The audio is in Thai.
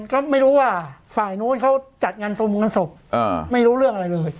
ก็ไม่รู้ว่าฝ่ายนู้นเขาจัดงานทรงงานศพไม่รู้เรื่องอะไรเลย